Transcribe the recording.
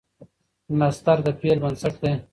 مصدر د فعل بنسټ دئ.